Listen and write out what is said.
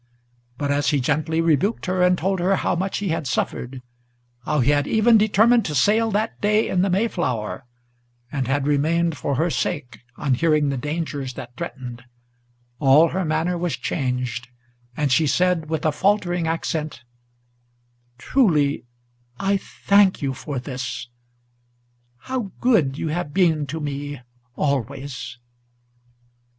But as he gently rebuked her, and told her how much he had suffered, How he had even determined to sail that day in the Mayflower, And had remained for her sake, on hearing the dangers that threatened, All her manner was changed, and she said with a faltering accent, "Truly I thank you for this: how good you have been to me always!"